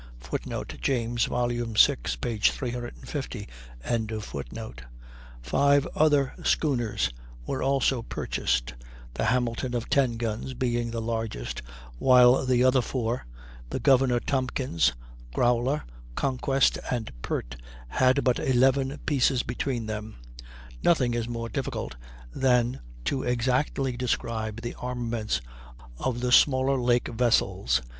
[Footnote: James, vi, 350.] Five other schooners were also purchased; the Hamilton, of 10 guns, being the largest, while the other four, the Governor Tompkins, Growler, Conquest, and Pert had but 11 pieces between them. Nothing is more difficult than to exactly describe the armaments of the smaller lake vessels.